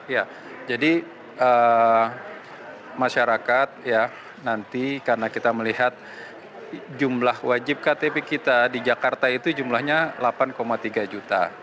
ya jadi masyarakat ya nanti karena kita melihat jumlah wajib ktp kita di jakarta itu jumlahnya delapan tiga juta